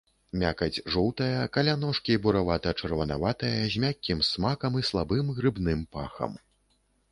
Мякаць жоўтая, каля ножкі буравата-чырванаватая, з мяккім смакам і слабым грыбным пахам.